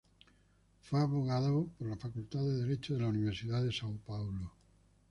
Fue abogado por la Facultad de Derecho de la Universidad de São Paulo.